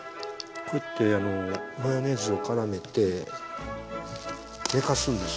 こうやってマヨネーズをからめて寝かすんです。